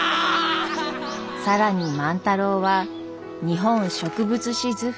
更に万太郎は「日本植物志図譜」